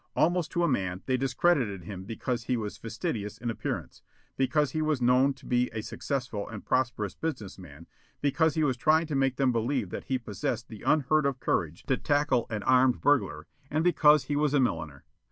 Almost to a man, they discredited him because he was fastidious in appearance; because he was known to be a successful and prosperous business man; because he was trying to make them believe that he possessed the unheard of courage to tackle an armed burglar; and because he was a milliner.